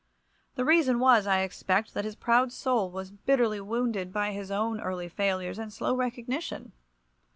The reason was, I expect, that his proud soul was bitterly wounded by his own early failures and slow recognition.